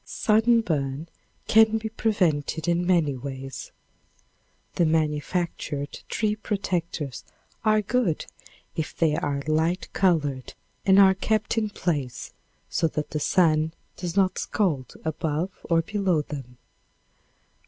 Sunburn can be prevented in many ways. The manufactured tree protectors are good if they are light colored and are kept in place so that the sun does not scald above or below them.